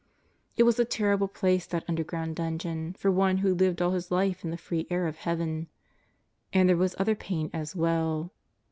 It was a terrible place that underground dungeon for one who had lived all his life in the free air of heaven. And there was other pain as well.